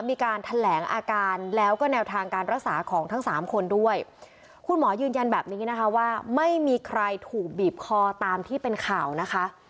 มีการแถลงอาการแล้วก็แนวทางการรักษาของทั้งสามคนด้วยคุณหมอยืนยันแบบนี้นะคะว่าไม่มีใครถูกบีบคอตามที่เป็นข่าวนะคะ